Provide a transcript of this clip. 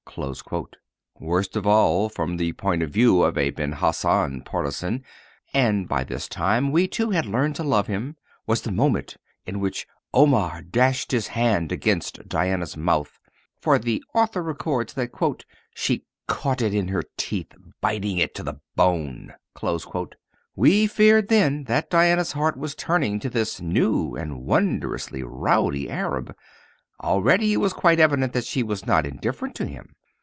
Worst of all from the point of view of a Ben Hassan partisan (and by this time we too had learned to love him) was the moment in which Omair dashed his hand against Diana's mouth, for the author records that "She caught it in her teeth, biting it to the bone." We feared, then, that Diana's heart was turning to this new and wondrously rowdy Arab. Already it was quite evident that she was not indifferent to him.